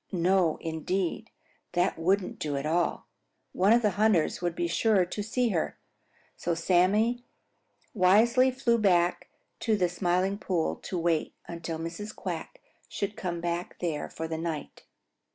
No, indeed, that wouldn't do at all. One of the hunters would be sure to see her. So Sammy wisely flew back to the Smiling Pool to wait until Mrs. Quack should come back there for the night.